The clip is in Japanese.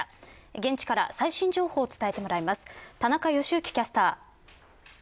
現地から最新情報を伝えてもらいます。